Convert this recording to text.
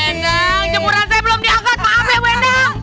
bu endang jemuran saya belum diangkat maaf ya bu endang